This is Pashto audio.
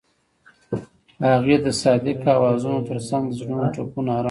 هغې د صادق اوازونو ترڅنګ د زړونو ټپونه آرام کړل.